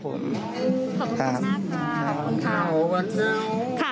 ขอบคุณค่ะ